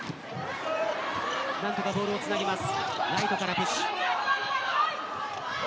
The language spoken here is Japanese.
何とかボールをつなぎます。